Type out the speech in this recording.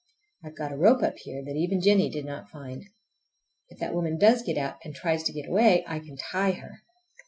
I've got a rope up here that even Jennie did not find. If that woman does get out, and tries to get away, I can tie her!